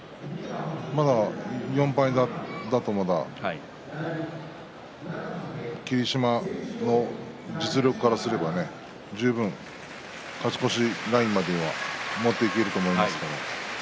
まだ４敗だと、まだ霧島の実力からすれば、十分勝ち越しラインまでは持っていけると思いますから。